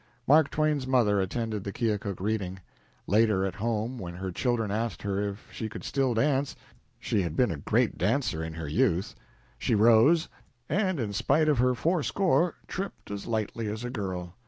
Mark Twain's mother attended the Keokuk reading. Later, at home, when her children asked her if she could still dance (she had been a great dancer in her youth), she rose, and in spite of her fourscore, tripped as lightly as a girl.